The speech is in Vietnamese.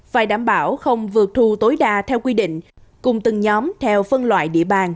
phải đảm bảo không vượt thu tối đa theo quy định cùng từng nhóm theo phân loại địa bàn